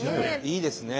いいですね。